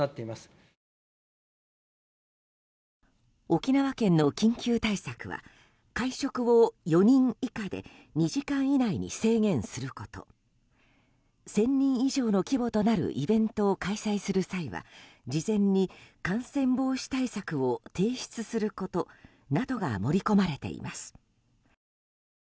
沖縄県の緊急対策は会食を４人以下で２時間以内に制限すること１０００人以上の規模となるイベントを開催する際は事前に感染防止対策を提出することなどが盛り込まれています。